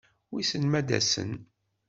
Wissen ma ad-asen?